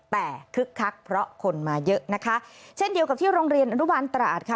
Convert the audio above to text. แต่คึกคักเพราะคนมาเยอะนะคะเช่นเดียวกับที่โรงเรียนอนุบาลตราดค่ะ